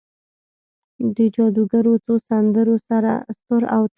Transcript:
د جادوګرو څو سندرو سر او تال،